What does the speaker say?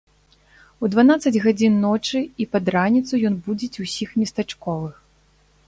У дванаццаць гадзін ночы і пад раніцу ён будзіць усіх местачковых.